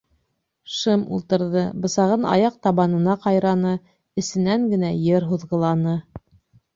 Шым ултырҙы, бысағын аяҡ табанына ҡайраны, эсенән генә йыр һуҙғыланы.